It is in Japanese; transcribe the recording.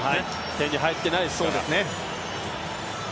点に入っていないですから。